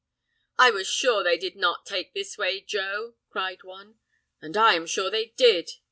"I was sure they did not take this way, Joe," cried one. "And I am sure they did!"